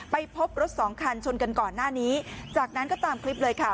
ไปพบรถสองคันชนกันก่อนหน้านี้จากนั้นก็ตามคลิปเลยค่ะ